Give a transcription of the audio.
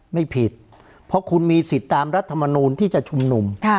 ไม่ผิดเพราะคุณมีสิทธิ์ตามรัฐมนูลที่จะชุมนุม